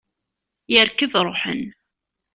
Yerkeb, ruḥen.